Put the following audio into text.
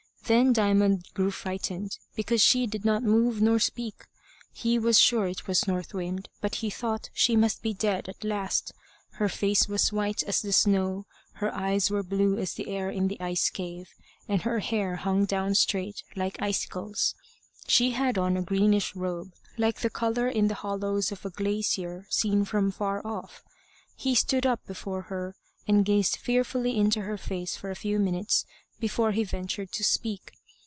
Then Diamond grew frightened, because she did not move nor speak. He was sure it was North Wind, but he thought she must be dead at last. Her face was white as the snow, her eyes were blue as the air in the ice cave, and her hair hung down straight, like icicles. She had on a greenish robe, like the colour in the hollows of a glacier seen from far off. He stood up before her, and gazed fearfully into her face for a few minutes before he ventured to speak.